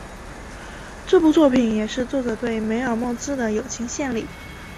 这部作品也是作者对梅尔莫兹的友情献礼。